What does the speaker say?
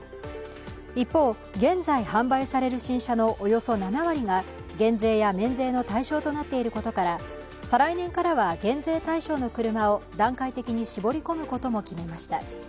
一方、現在販売される新車のおよそ７割が減税や免税の対象となっていることから、再来年からは減税対象の車を段階的に絞り込むことも決めました。